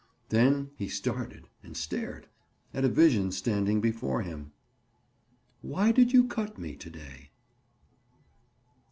Then he started and stared—at a vision standing before him. "Why did you cut me to day?"